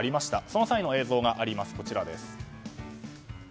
その際の映像があります。